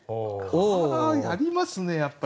やりますねやっぱり。